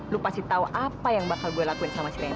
lo pasti tau apa yang bakal gue lakuin sama si rendy